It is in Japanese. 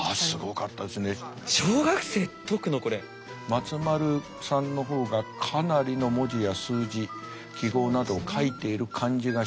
松丸さんの方がかなりの文字や数字記号などを書いている感じがします。